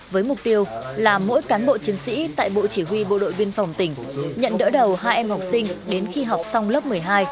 với mục tiêu là mỗi cán bộ chiến sĩ tại bộ chỉ huy bộ đội biên phòng tỉnh nhận đỡ đầu hai em học sinh đến khi học xong lớp một mươi hai